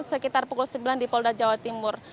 sekitar pukul sembilan di polda jawa timur